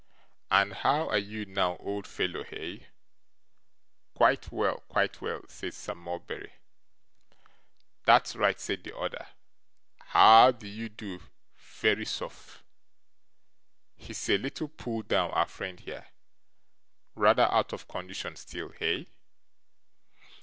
'And how are you now, old fellow, hey?' 'Quite well, quite well,' said Sir Mulberry. 'That's right,' said the other. 'How d'ye do, Verisopht? He's a little pulled down, our friend here. Rather out of condition still, hey?